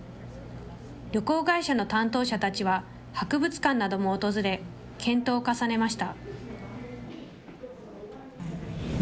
旅行会社の担当者たちは、博物館なども訪れ、検討を重ねました。